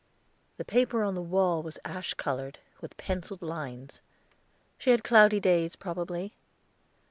The paper on the wall was ash colored, with penciled lines. She had cloudy days probably.